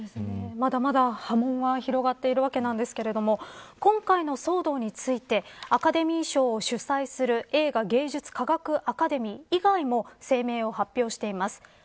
まだまだ波紋は広がっているわけですが今回の騒動についてアカデミー賞を主催する映画芸術科学アカデミー以外も声明を発表しています。